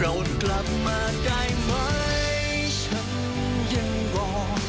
มาออกกับสังกายนะครับ